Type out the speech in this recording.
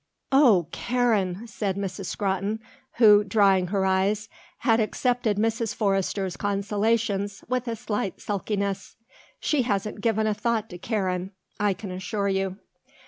"Oh, Karen!" said Miss Scrotton, who, drying her eyes, had accepted Mrs. Forrester's consolations with a slight sulkiness, "she hasn't given a thought to Karen, I can assure you."